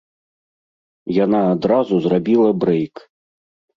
Яна адразу зрабіла брэйк.